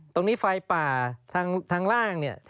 ตรงนี้ไฟป่าทางล่างเนี่ย